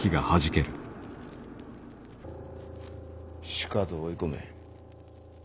しかと追い込め。